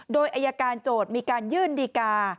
โดยอายการโจทย์มีการยื่นดีกา